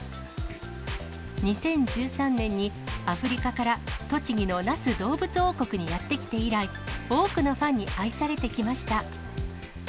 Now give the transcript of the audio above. ２０１３年にアフリカから栃木の那須どうぶつ王国にやって来て以来、多くのファンに愛されてきました。